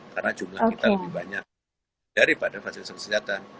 karena jumlah kita lebih banyak daripada fasilitas kesehatan